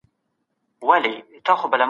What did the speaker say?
د روغتیايي اسانتیاوو نشتوالی د زغم وړ نه دی.